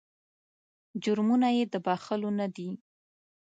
جرمونه یې د بخښلو نه دي.